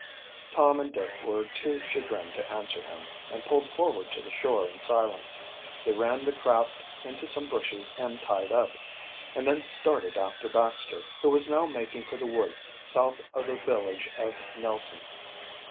Tom and Dick were too chagrined to answer him, and pulled forward to the shore in silence. They ran the craft into some bushes and tied up, and then started after Baxter, who was now making for the woods south of the village of Nelson.